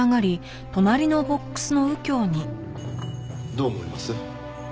どう思います？